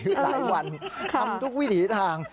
วันบางทีมาทำทุกวิถีทาง